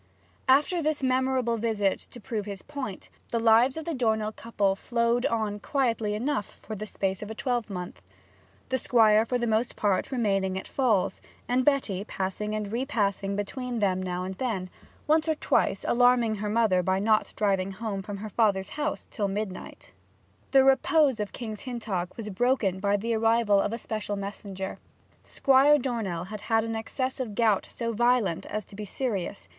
After this memorable visit to prove his point, the lives of the Dornell couple flowed on quietly enough for the space of a twelvemonth, the Squire for the most part remaining at Falls, and Betty passing and repassing between them now and then, once or twice alarming her mother by not driving home from her father's house till midnight. The repose of King's Hintock was broken by the arrival of a special messenger. Squire Dornell had had an access of gout so violent as to be serious.